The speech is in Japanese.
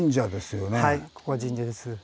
はいここは神社です。